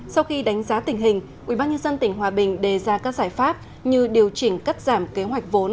sau khi đánh giá tình hình ubnd tỉnh hòa bình đề ra các giải pháp như điều chỉnh cắt giảm kế hoạch vốn